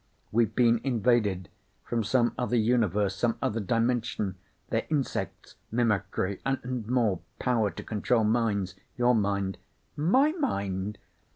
"We've been invaded. From some other universe, some other dimension. They're insects. Mimicry. And more. Power to control minds. Your mind." "My mind?"